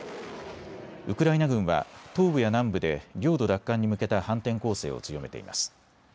ウクライナ軍は東部や南部で領土奪還に向けた反転攻勢を強めています。